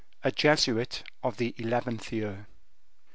A Jesuit of the Eleventh Year.